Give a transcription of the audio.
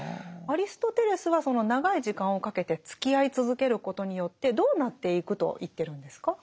アリストテレスはその長い時間をかけてつきあい続けることによってどうなっていくと言ってるんですか？